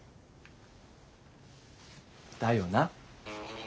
だよな。